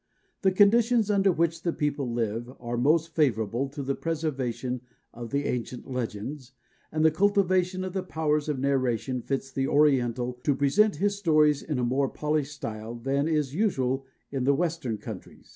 The conditions under which the people live are most favourable to the preservation of the ancient legends, and the cultivation of the powers of narration fits the Oriental to present his stories in a more polished style than is usual in the Western countries.